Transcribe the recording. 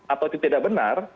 atau itu tidak benar